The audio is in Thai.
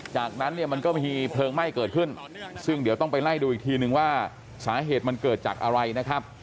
จากนั้นเนี่ยมันก็มีเพลิงไหม้เกิดขึ้นซึ่งเดี๋ยวต้องไปไล่ดูอีกทีนึงว่าสาเหตุมันเกิดจากอะไรนะครับ